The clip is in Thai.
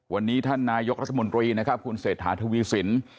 วันนี้ท่านนายกรัฐมนตรีนะครับคุณเศรษฐาทวีสิน